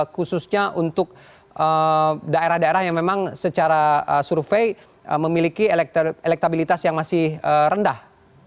khususnya untuk daerah daerah yang memang secara survei memiliki elektabilitas yang masih rendah